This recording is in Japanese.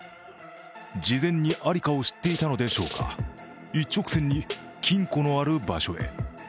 事前にありかを知っていたのでしょうか、一直線に金庫のある場所へ。